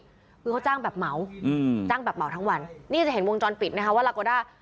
คือเขาจ้างแบบเหมาอืมจ้างแบบเหมาทั้งวันนี่จะเห็นวงจรปิดนะคะว่าลาโกด้า